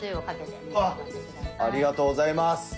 ありがとうございます。